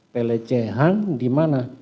plecehan di mana